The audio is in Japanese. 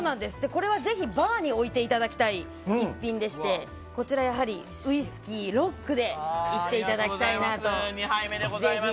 これはぜひバーに置いていただきたい一品でこちらもやはりウイスキーをロックでいっていただきたいと思います。